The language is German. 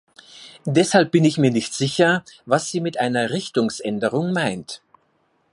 Deshalb bin ich mir nicht sicher, was sie mit einer Richtungsänderung meint.